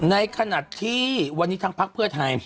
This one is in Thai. ในขณะที่วันนี้ทางพักเพื่อไทย